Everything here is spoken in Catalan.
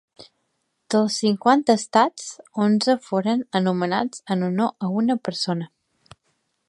Dels cinquanta estats, onze foren anomenats en honor a una persona.